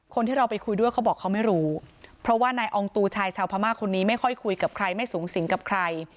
คนที่เราไปคุยด้วยเขาบอกเขาไม่รู้เพราะว่านายอองตูชายชาวพม่าคนนี้ไม่ค่อยคุยกับใครไม่สูงสิงกับใคร